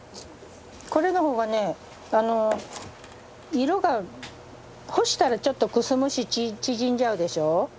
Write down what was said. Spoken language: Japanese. これの方がねあの色が干したらちょっとくすむし縮んじゃうでしょ？